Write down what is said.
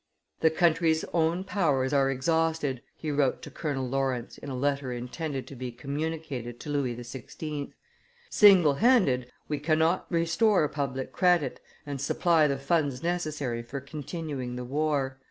"The country's own powers are exhausted," he wrote to Colonel Lawrence in a letter intended to be communicated to Louis XVI.; "single handed we cannot restore public credit and supply the funds necessary for continuing the war.